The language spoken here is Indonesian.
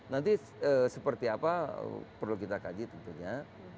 nanti seperti apa perlu kita kaji tentunya